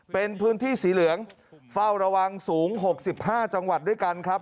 เป็นพื้นที่สีเหลืองเฝ้าระวังสูง๖๕จังหวัดด้วยกันครับ